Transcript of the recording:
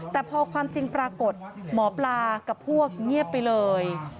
แต่พอความจริงปรากฏหมอปลากับพวกเงียบไปเลย